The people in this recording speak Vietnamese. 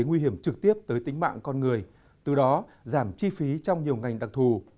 nguy hiểm trực tiếp tới tính mạng con người từ đó giảm chi phí trong nhiều ngành đặc thù